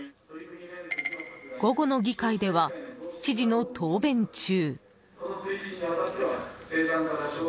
午後の議会では知事の答弁中。